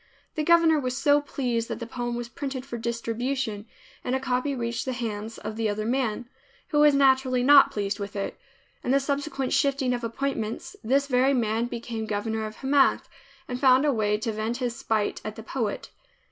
The governor was so pleased that the poem was printed for distribution and a copy reached the hands of the other man, who was naturally not pleased with it. In the subsequent shifting of appointments this very man became governor of Hamath, and found a way to vent his spite at the poet.